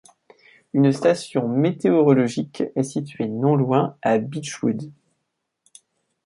Une station météorologique est située non loin, à Beechwood.